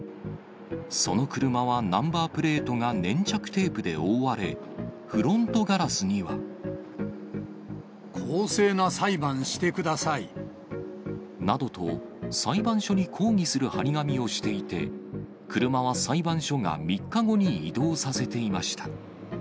その車はナンバープレートが粘着テープで覆われ、フロントガラスには。などと、裁判所に抗議する貼り紙をしていて、車は裁判所が３日後に移動させていました。